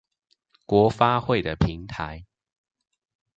國發會的平台